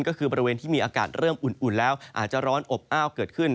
ก็คือบริเวณที่มีอากาศเริ่มอุ่นแล้วอาจจะร้อนอบอ้าวเกิดขึ้น